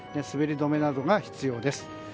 滑り止めなどが必要です。